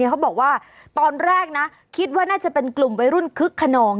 เขาบอกว่าตอนแรกนะคิดว่าน่าจะเป็นกลุ่มวัยรุ่นคึกขนอง